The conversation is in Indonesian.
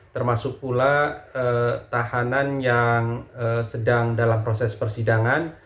termasuk pula tahanan yang sedang dalam proses persidangan